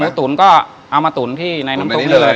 ตุ๋นก็เอามาตุ๋นที่ในน้ำซุปเลย